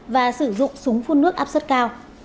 và sử dụng súng phun nước áp sất cao